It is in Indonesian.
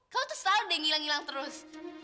kamu tuh selalu deh ngilang ngilang terus